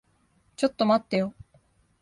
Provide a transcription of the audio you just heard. ちょっと待ってよ。